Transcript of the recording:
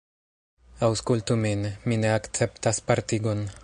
Aŭskultu min; mi ne akceptas partigon.